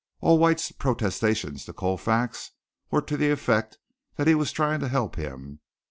All White's protestations to Colfax were to the effect that he was trying to help him.